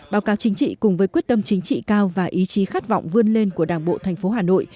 báo cáo chính trị cùng với quyết tâm chính trị cao và ý chí khát vọng vươn lên của đảng bộ thành phố hà nội